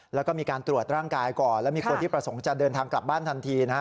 แล้วก็มีการตรวจร่างกายก่อนแล้วมีคนที่ประสงค์จะเดินทางกลับบ้านทันทีนะฮะ